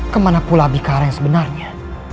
kemana pula bikara yang sebenarnya